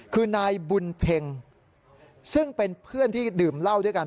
คือนายบุญเพ็งซึ่งเป็นเพื่อนที่ดื่มเหล้าด้วยกัน